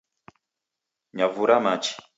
Nyavura machi